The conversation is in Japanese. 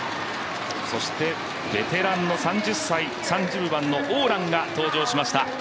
そして、ベテランの３０歳３０番の王蘭が登場しました。